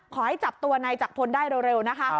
ขอให้จับตัวนายจักรพลได้เร็วนะคะ